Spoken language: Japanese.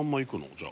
じゃあ。